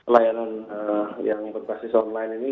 layanan yang berbasis online ini